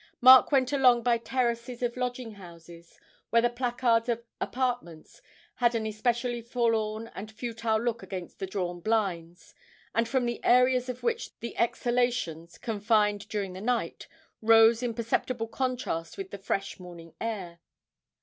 Mark went along by terraces of lodging houses, where the placards of 'apartments' had an especially forlorn and futile look against the drawn blinds, and from the areas of which the exhalations, confined during the night, rose in perceptible contrast with the fresh morning air.